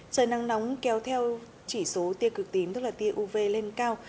trời nắng nóng kéo theo chỉ số tia cực tím tức là tia uv lên cao